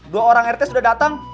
dua orang rt sudah datang